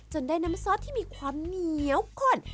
ได้น้ำซอสที่มีความเหนียวข้น